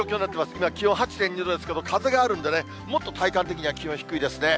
今、気温８．２度ですけれど、風があるんでね、もっと体感的には気温低いですね。